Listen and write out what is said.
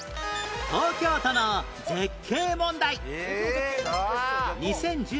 東京都の絶景問題